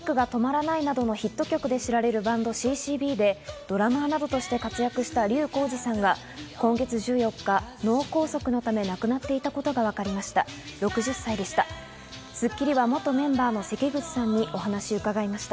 『Ｒｏｍａｎｔｉｃが止まらない』などのヒット曲で知られるバンドＣ−Ｃ−Ｂで、ドラマーなどとして活躍した笠浩二さんが今月１４日、脳梗塞のため亡くなっていたことがわかりました。